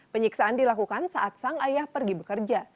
penyiksaan dilakukan saat sang ayah pergi bekerja